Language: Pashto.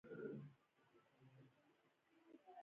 ډرامه باید له انتقاد ونه وډاريږي